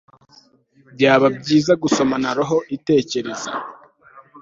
Byaba byiza gusomana roho itekereza